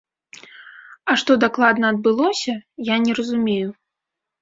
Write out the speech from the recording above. А што дакладна адбылося, я не разумею.